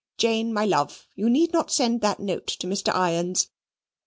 "Jane, my love, you need not send that note to Mr. Irons.